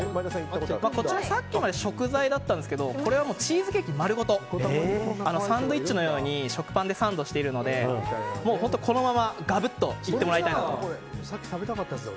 さっきまで食材だったんですけどこれはチーズケーキ丸ごとサンドイッチのように食パンでサンドしているのでこのまま、がぶっといってもらいたいです。